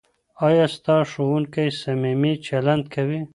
ایا ستا ښوونکی صمیمي چلند کوي؟